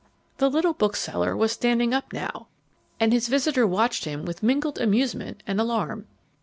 The little bookseller was standing up now, and his visitor watched him with mingled amusement and alarm.